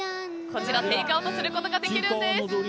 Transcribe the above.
テイクアウトすることができるんです。